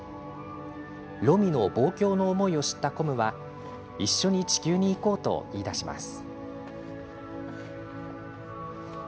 ロミの望郷の思いを知ったコムは一緒に地球に行こうと言いだします。